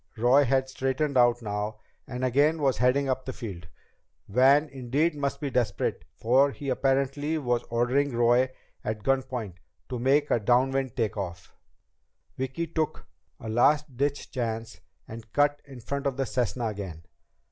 Roy had straightened out now, and again was heading up the field. Van must indeed be desperate, for he apparently was ordering Roy at gun point to make a downwind take off. Vicki took a last ditch chance and cut in front of the Cessna again.